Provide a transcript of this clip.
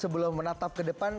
sebelum menatap ke depan